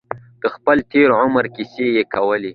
د خپل تېر عمر کیسې یې کولې.